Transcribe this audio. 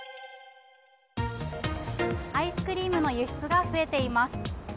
アイスクリームの輸出が増えています。